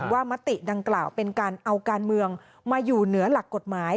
มติดังกล่าวเป็นการเอาการเมืองมาอยู่เหนือหลักกฎหมาย